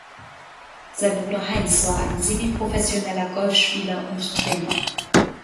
Sein Bruder Heinz war ein semiprofessioneller Golfspieler und Trainer.